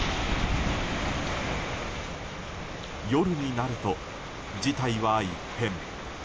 夜になると事態は一変。